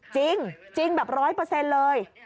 จริงแบบ๑๐๐เลย